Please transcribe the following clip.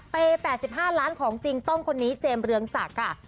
เปรย์๘๕ล้านบาทของจริงต้มคนนี้เจมส์เรืองศักดิ์